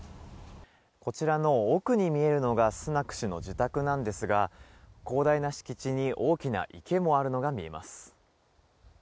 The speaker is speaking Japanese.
こちらの奥に見えるのがスナク氏の自宅なんですが、広大な敷地に、大きな池もあるのが見えます。